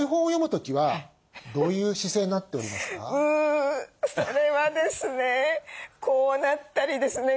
うそれはですね